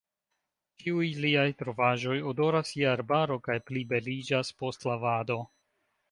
Ĉiuj liaj trovaĵoj odoras je arbaro kaj plibeliĝas post lavado.